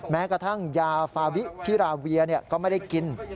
แม้กระทั่งยาฟาวิพิราเวียก็ไม่ได้กิน